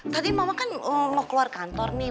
tadi mama kan mau keluar kantor nih